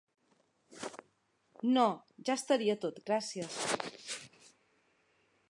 No, ja estaria tot gracies.